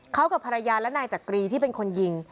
เขากับภรรยาและนายจักรีที่เป็นคนยิง